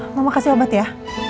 mama kasih obat ya